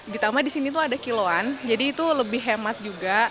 ditambah di sini tuh ada kiloan jadi itu lebih hemat juga